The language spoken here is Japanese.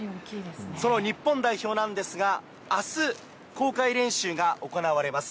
その日本代表なんですが、あす公開練習が行われます。